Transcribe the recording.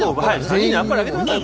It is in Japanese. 全員にあっぱれあげてください！